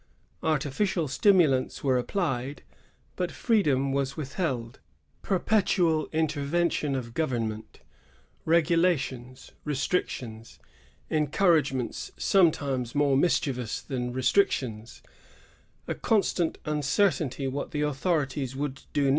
Artificial stimulante were appUed, but freedom was withheld. Perpetual intervention of government, —regulations, restrictions, encourage ments sometimes more mischievous than restrictions, a constant uncertainty what the authorities would do 198 CANADIAN ABSOLUTISM. [1663 1763.